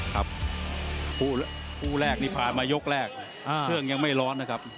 ครับคู่แรกนี่ผ่านมายกแรกเครื่องยังไม่ร้อนนะครับ